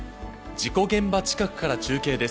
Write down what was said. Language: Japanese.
事故現場近くから中継です。